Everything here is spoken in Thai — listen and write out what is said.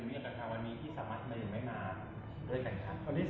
อยู่กันครับ